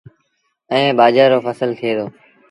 ائيٚݩ ٻآجھر رو ڦسل ٿئي دو۔